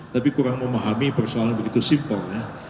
tapi kurang memahami persoalan begitu simpel ya